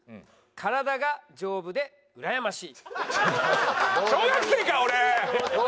体が丈夫でうらやましい。